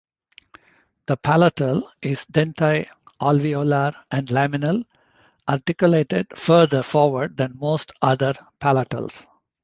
The "palatal" is denti-alveolar and laminal, articulated further forward than most other palatals.